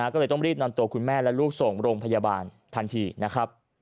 ก็เลยต้องรีบนำตัวคุณแม่และลูกส่งโรงพยาบาลทันทีนะครับ